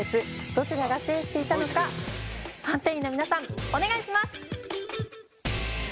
どちらが制していたのか判定員の皆さんお願いします。